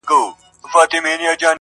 • ویل خیر کړې درته څه پېښه ده ګرانه -